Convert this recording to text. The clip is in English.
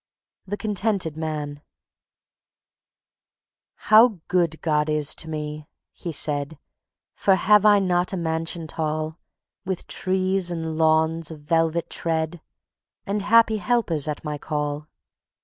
The Contented Man "How good God is to me," he said; "For have I not a mansion tall, With trees and lawns of velvet tread, And happy helpers at my call?